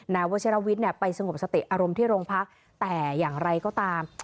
วัชรวิทย์ไปสงบสติอารมณ์ที่โรงพักแต่อย่างไรก็ตาม